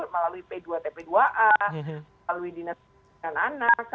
melalui p dua tp dua a melalui dinas pendidikan anak